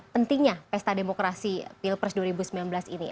pentingnya pesta demokrasi pilpres dua ribu sembilan belas ini